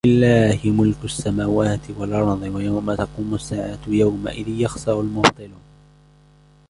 ولله ملك السماوات والأرض ويوم تقوم الساعة يومئذ يخسر المبطلون